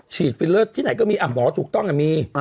ฟิลเลอร์ที่ไหนก็มีหมอถูกต้องมี